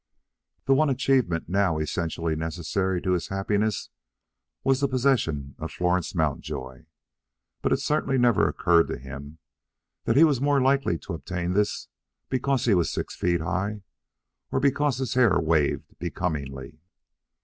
The one achievement now essentially necessary to his happiness was the possession of Florence Mountjoy; but it certainly never occurred to him that he was more likely to obtain this because he was six feet high, or because his hair waved becomingly.